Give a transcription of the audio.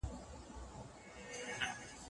په عقیده کي تقلید د ارزښت وړ نه دی.